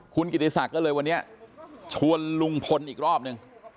คุณกิติศักดิ์ก็เลยวันนี้ชวนลุงพลอีกรอบนึง